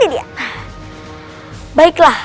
ayo kita pergi ke rumahnya